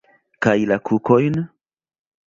Kaj la kukojn?